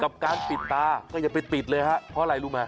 กับการปิดตาก็อย่าไปปิดเลยฮะเพราะอะไรรู้ไหม